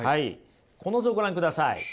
この図をご覧ください。